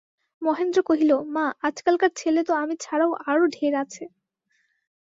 মহেন্দ্র কহিল, মা, আজকালকার ছেলে তো আমি ছাড়াও আরো ঢের আছে।